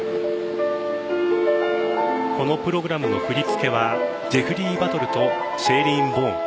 このプログラムの振り付けはジェフリー・バトルとシェイ＝リーン・ボーン。